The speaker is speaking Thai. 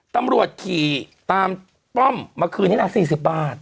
ตำรวจขี่ตามป้อมมาคืนนี้นะ๔๐บาท